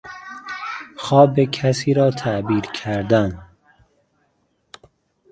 خواب کسی را تعبیر کردن